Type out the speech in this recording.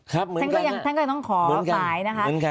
ครับเหมือนกันท่านก็ยังต้องขอฝ่ายนะคะ